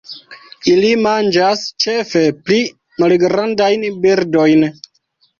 Ili manĝas ĉefe pli malgrandajn birdojn.